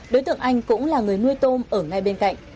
đối tượng anh cũng là người nuôi tôm ở ngay bên cạnh